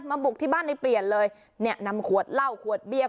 บุกที่บ้านในเปลี่ยนเลยเนี่ยนำขวดเหล้าขวดเบียร์